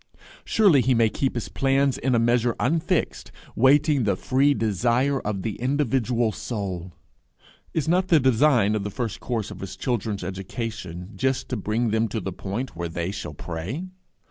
Surely he may keep his plans in a measure unfixed, waiting the free desire of the individual soul! Is not the design of the first course of his children's education just to bring them to the point where they shall pray?